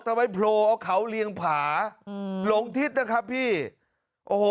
เอาไว้โผล่เอาเขาเรียงผาอืมหลงทิศนะครับพี่โอ้โห